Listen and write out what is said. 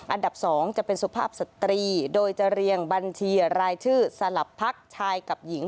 อันดับ๒จะเป็นสุภาพสตรีโดยจะเรียงบัญชีรายชื่อสลับพักชายกับหญิง